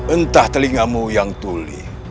entah telingamu yang tuli